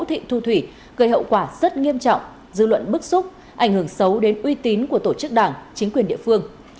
thị thu thủy gây hậu quả rất nghiêm trọng dư luận bức xúc ảnh hưởng xấu đến uy tín của tổ chức đảng chính quyền địa phương